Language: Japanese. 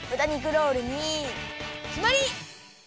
ロールにきまり！